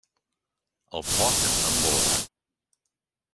El foc embova.